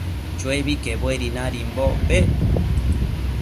Chuebi quebuedi nadimbocpec